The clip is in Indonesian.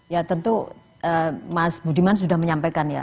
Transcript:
ya tentu mas budiman sudah menyampaikan ya